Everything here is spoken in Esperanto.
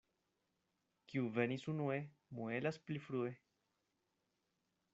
Kiu venis unue, muelas pli frue.